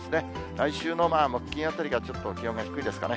来週の木、金あたりがちょっと気温が低いですかね。